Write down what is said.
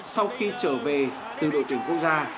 sau khi trở về từ đội tuyển quốc gia